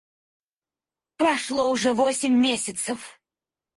Прошло уже восемь месяцев.